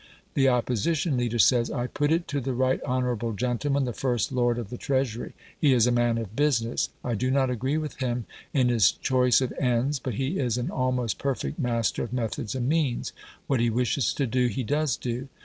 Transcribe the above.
The Opposition leader says: "I put it to the right honourable gentleman, the First Lord of the Treasury. He is a man of business. I do not agree with him in his choice of ends, but he is an almost perfect master of methods and means. What he wishes to do he does do.